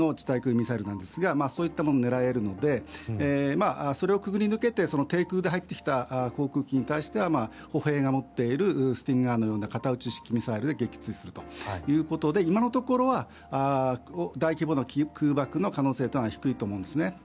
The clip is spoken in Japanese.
対空ミサイルなんですがそういったものを狙えるのでそれを潜り抜けて低空で入ってきた航空機に対しては歩兵が持っているスティンガーのような片撃ち式ミサイルで撃墜するということで今のところは大規模な空爆の可能性は低いと思うんですね。